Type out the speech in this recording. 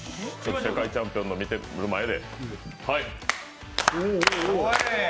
世界チャンピオンの見ている前で。